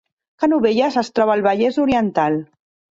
Canovelles es troba al Vallès Oriental